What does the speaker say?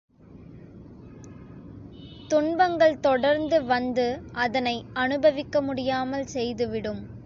துன்பங்கள் தொடர்ந்து வந்து அதனை அனுபவிக்க முடியாமல் செய்துவிடும்.